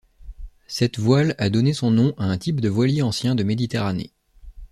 Cette voile a donné son nom à un type de voilier ancien de Méditerranée.